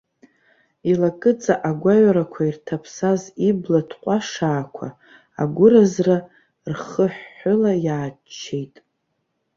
Илакыҵа агәаҩарақәа ирҭаԥсаз ибла ҭҟәашаақәа агәыразра рхыҳәҳәыла иааччеит.